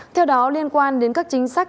theo đó liên quan đến các chính sách